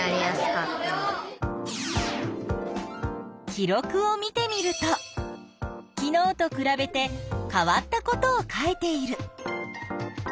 記録を見てみると昨日とくらべて変わったことを書いている。